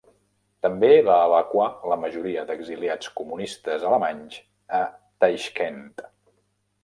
També va evacuar la majoria d'exiliats comunistes alemanys a Taixkent.